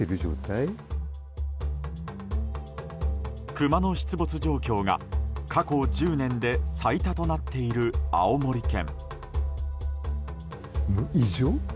クマの出没状況が過去１０年で最多となっている青森県。